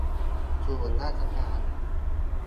ศูนย์ราชการ